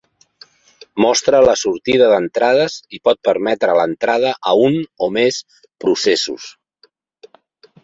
Mostra la sortida d'entrades i pot permetre l'entrada a un o més processos.